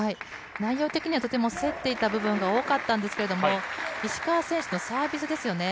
内容的にはとても競っていた部分が多かったんですけれども、石川選手のサービスですよね。